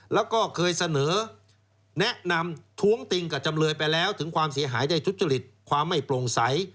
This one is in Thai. แล้วก็เคยเสนอแนะนำท้วงติงกับจำเลยไปแล้วถึงความเสียหายได้ทุจริตความไม่โปร่งใส